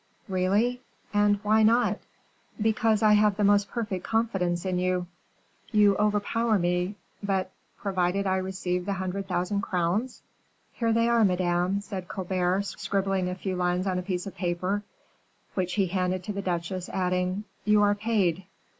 "Really and why not?" "Because I have the most perfect confidence in you." "You overpower me. But provided I receive the hundred thousand crowns?" "Here they are, madame," said Colbert, scribbling a few lines on a piece of paper, which he handed to the duchesse, adding, "You are paid."